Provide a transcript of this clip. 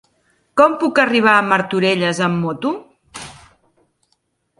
Com puc arribar a Martorelles amb moto?